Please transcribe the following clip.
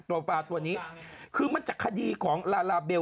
ฟาตัวนี้คือมันจากคดีของลาลาเบล